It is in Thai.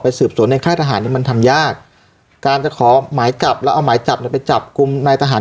สืบสวนในค่ายทหารนี่มันทำยากการจะขอหมายจับแล้วเอาหมายจับเนี่ยไปจับกลุ่มนายทหาร